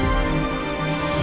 saya sudah menang